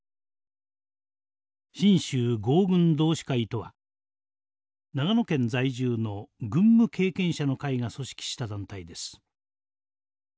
信州郷軍同志会とは長野県在住の軍務経験者の会が組織した団体です。